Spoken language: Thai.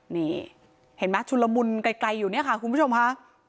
นี่เห็นไหมชุนละมุนไกลอยู่เนี่ยค่ะคุณผู้ชมค่ะ